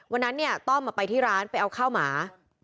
วันนั้นเนี่ยต้อมไปที่ร้านไปเอาข้าวหมา